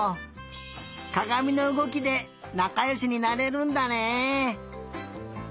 かがみのうごきでなかよしになれるんだね。